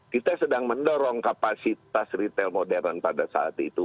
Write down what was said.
kita sedang mendorong kapasitas retail modern pada saat itu